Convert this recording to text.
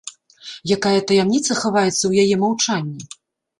Якая таямніца хаваецца ў яе маўчанні?